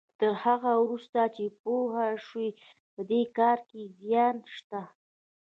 تر هغه وروسته چې پوه شو په دې کار کې زيان نشته.